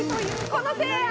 ○○このせいや！